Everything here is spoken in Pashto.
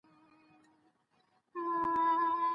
د طلاق د وقوع وضعيت او قرينې شتون ونلري.